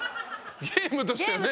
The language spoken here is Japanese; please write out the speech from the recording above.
ゲームとしてはね。